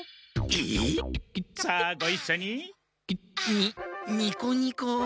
ニニコニコ。